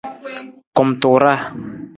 Kumtuuraa.